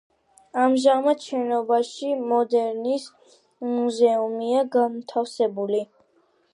ამჟამად შენობაში მოდერნის მუზეუმია განთავსებული.